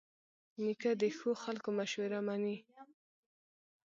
نیکه د ښو خلکو مشوره منې.